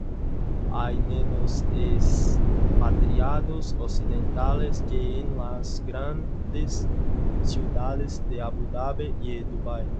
Hay menos expatriados occidentales que en las grandes ciudades de Abu Dabi y Dubái.